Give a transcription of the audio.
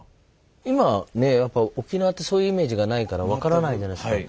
今ねやっぱ沖縄ってそういうイメージがないから分からないじゃないすか。